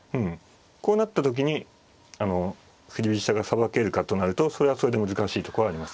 こうなった時に振り飛車がさばけるかとなるとそれはそれで難しいとこありますね。